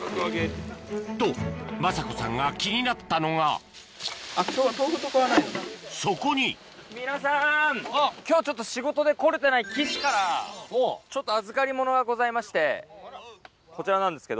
と昌子さんが気になったのがそこに今日仕事で来れてない岸から預かり物がございましてこちらなんですけど。